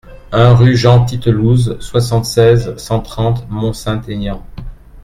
un rue Jean Titelouze, soixante-seize, cent trente, Mont-Saint-Aignan